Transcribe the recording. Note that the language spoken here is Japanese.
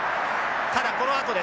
ただこのあとです。